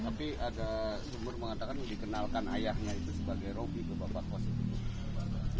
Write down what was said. tapi ada sumber mengatakan dikenalkan ayahnya itu sebagai roby ke bapak presiden